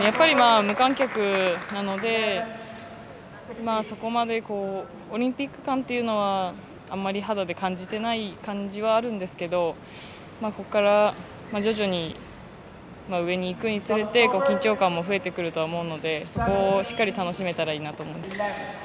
無観客なので、そこまでオリンピック感というのはあまり肌で感じていない感じはあるんですけどここから、徐々に上にいくにつれて緊張感も増えてくるとは思うのでそこをしっかり楽しめたらなと思っています。